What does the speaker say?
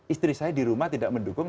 istri saya di rumah tidak mendukung